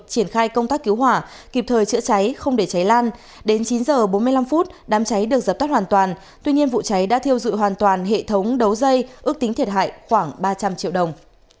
triển khai công tác cứu hỏa kịp thời chữa trái không để trái lan đến chín h bốn mươi năm đám trái được dập tắt hoàn toàn tuy nhiên vụ trái đã thiêu dự hoàn toàn hệ thống đấu dây ước tính thiệt hại khoảng ba trăm linh triệu đồng